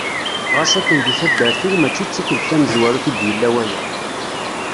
Ɣas akken di taddart-iw mačči d tikkelt tamezwarut i d-yella waya.